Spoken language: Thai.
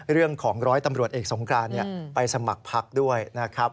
เรื่องของร้อยตำรวจเอกสงคราไปสมัครพักด้วยนะครับ